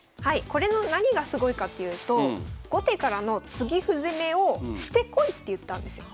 これの何がすごいかっていうと後手からの継ぎ歩攻めをしてこいっていったんですよ。